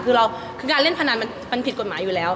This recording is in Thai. คือเราคือการเล่นพนันมันผิดกฎหมายอยู่แล้ว